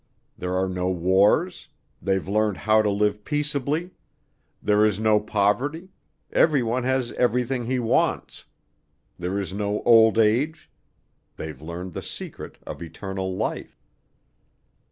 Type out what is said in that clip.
There are no wars, they've learned how to live peaceably. There is no poverty, everyone has everything he wants. There is no old age, they've learned the secret of eternal life.